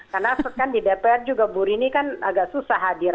karena kan di dpr juga bu rini kan agak susah hadir